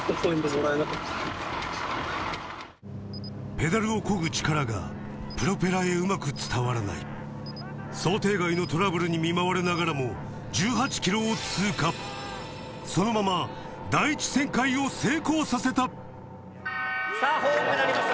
ペダルを漕ぐ力がプロペラへうまく伝わらない想定外のトラブルに見舞われながらも１８ｋｍを通過そのまま第１旋回を成功させたさあホーンが鳴りました。